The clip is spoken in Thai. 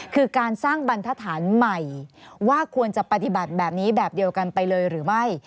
คือการสร้างบรรทฐานใหม่ว่าควรจะปฏิบัติแบบนี้แบบเดียวกันไปเลยหรือไม่